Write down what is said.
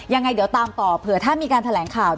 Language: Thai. ยังไงเดี๋ยวตามต่อเผื่อถ้ามีการแถลงข่าว